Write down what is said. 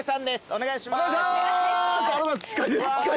お願いします。